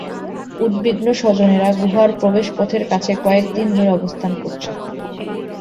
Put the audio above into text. উদ্বিগ্ন স্বজনেরা গুহার প্রবেশপথের কাছে কয়েক দিন ধরে অবস্থান করছেন।